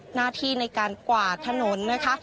หน้าที่ในการกวาดถนนนะคะ